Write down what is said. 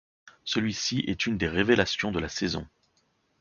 Celui-ci est une des révélations de la saison.